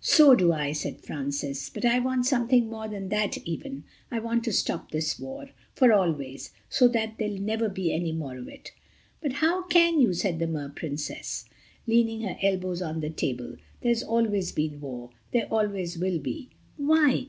"So do I," said Francis, "but I want something more than that even. I want to stop this war. For always. So that there'll never be any more of it." "But how can you," said the Mer Princess, leaning her elbows on the table, "there's always been war; there always will be." "Why?"